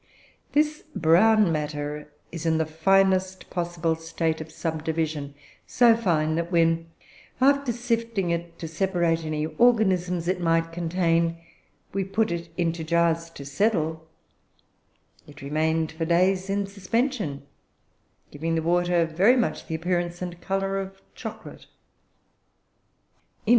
This brown matter is in the finest possible state of subdivision, so fine that when, after sifting it to separate any organisms it might contain, we put it into jars to settle, it remained for days in suspension, giving the water very much the appearance and colour of chocolate.